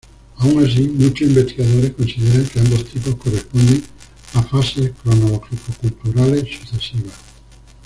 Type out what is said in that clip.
Aun así, muchos investigadores consideran que ambos tipos corresponden a fases cronológico-culturales sucesivas.